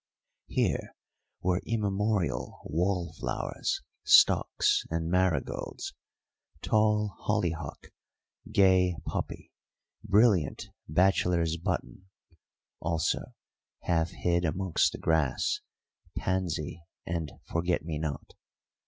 Here were immemorial wallflowers, stocks and marigolds, tall hollyhock, gay poppy, brilliant bachelor's button; also, half hid amongst the grass, pansy and forget me not.